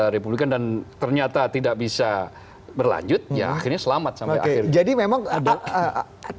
republikan dan ternyata tidak bisa berlanjut ya akhirnya selamat sampai akhir jadi memang ada